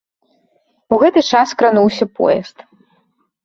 У гэты час крануўся поезд.